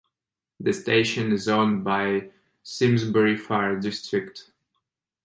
The station is owned by Simsbury Fire District.